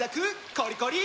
コリコリ！